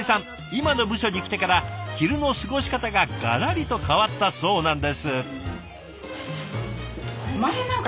今の部署に来てから昼の過ごし方がガラリと変わったそうなんです。